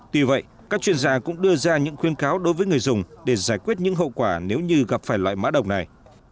tuy vậy các chuyên gia cũng đưa ra những khuyên cáo đối với người dùng để giải quyết những hậu quả nếu như gặp phải loại mã độc này